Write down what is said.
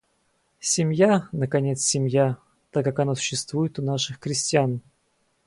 Семья наконец, семья, так, как она существует у наших крестьян!